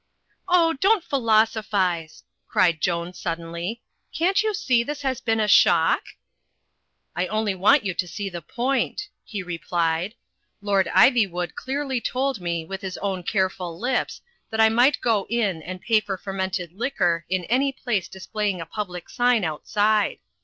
"Oh, don't philosophise," cried Joan suddenly. "Can't you see this has been a shock?" ^^^^^^ "I only want you to see the point," he replied. "Lord 148 THE FLYING INN Ivywood clearly told me, with his own careful lips, that I might go in and pay for fermented liquor in any place displaying a public sign outside.